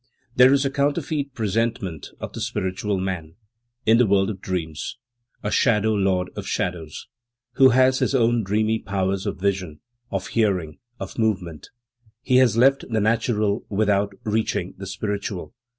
There is a counterfeit presentment of the spiritual man, in the world of dreams, a shadow lord of shadows, who has his own dreamy powers of vision, of hearing, of movement; he has left the natural without reaching the spiritual.